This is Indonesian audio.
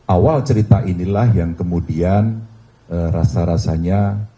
awal cerita inilah yang kemudian rasa rasanya